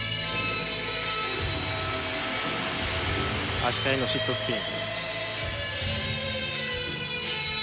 足換えのシットスピン。